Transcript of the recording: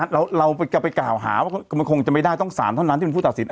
เราจะไปกล่าวหาว่ามันคงจะไม่ได้ต้องสารเท่านั้นที่เป็นผู้ตัดสิน